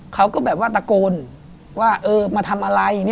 เขาก็ตะโกนว่ามาทำอะไร